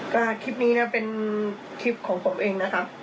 ก็คลิปนี้นะเป็นคลิปของผมเองนะครับ